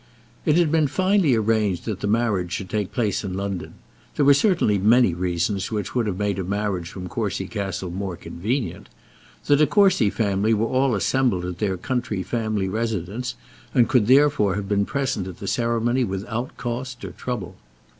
It had been finally arranged that the marriage should take place in London. There were certainly many reasons which would have made a marriage from Courcy Castle more convenient. The De Courcy family were all assembled at their country family residence, and could therefore have been present at the ceremony without cost or trouble.